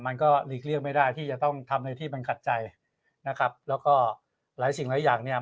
หลีกเลี่ยงไม่ได้ที่จะต้องทำในที่มันขัดใจนะครับแล้วก็หลายสิ่งหลายอย่างเนี่ย